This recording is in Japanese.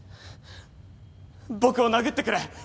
僕を殴ってくれ。